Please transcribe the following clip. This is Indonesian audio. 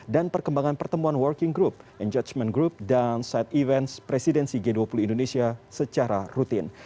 dan perkembangan pertemuan working group engagement group dan side events presidensi g dua puluh indonesia secara rutin